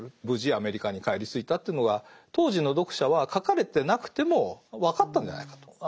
無事アメリカに帰り着いたというのが当時の読者は書かれてなくても分かったんじゃないかと。